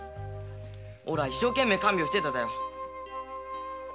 おらは一生懸命に看病してただよ。